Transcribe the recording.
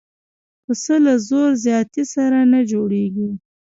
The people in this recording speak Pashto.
پسه له زور زیاتي سره نه جوړېږي.